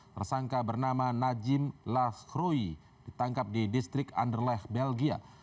tersangka bernama najim la kruy ditangkap di distrik anderlecht belgia